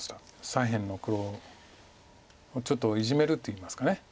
左辺の黒をちょっとイジメるといいますか。